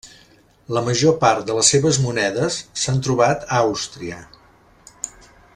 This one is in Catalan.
La major part de les seves monedes s'han trobat a Àustria.